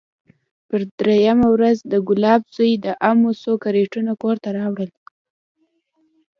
پر درېيمه ورځ د ګلاب زوى د امو څو کرېټونه کور ته راوړل.